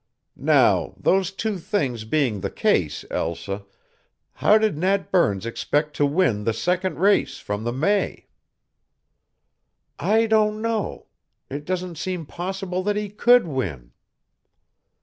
"Now, those two things being the case, Elsa, how did Nat Burns expect to win the second race from the May?" "I don't know. It doesn't seem possible that he could win."